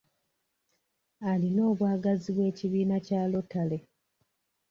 Alina obwagazi bw'ekibiina kya lotale.